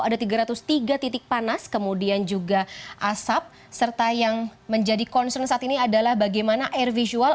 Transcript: ada tiga ratus tiga titik panas kemudian juga asap serta yang menjadi concern saat ini adalah bagaimana air visual